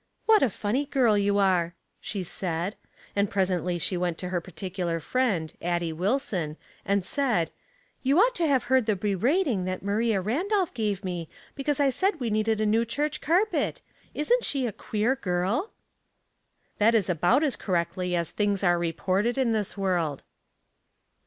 "What a funny girl you are!" she said; and presently she went to her particular friend, Addie Wilson, and said, " You ought to have A Puzzliing Discussion, 273 heard the berating that Maria Randolph gave me because I said we needed a new church carpet ! Isn't she a queer girl ?" That is about as correctly as things are re ported in this world.